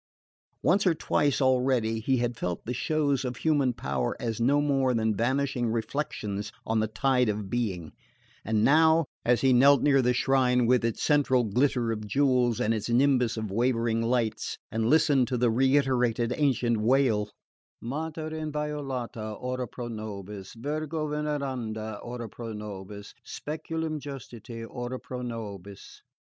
Once or twice already he had felt the shows of human power as no more than vanishing reflections on the tide of being; and now, as he knelt near the shrine, with its central glitter of jewels and its nimbus of wavering lights, and listened to the reiterated ancient wail: "Mater inviolata, ora pro nobis! Virgo veneranda, ora pro nobis! Speculum justitiae, ora pro nobis!"